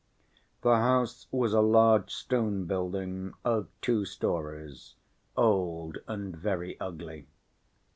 The house was a large stone building of two stories, old and very ugly.